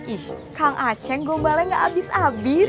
ih kang aceh gombalnya gak abis abis